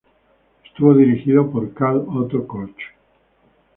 Estuvo dirigido por Karl Otto Koch.